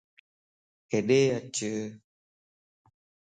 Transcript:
ھيڏي اچ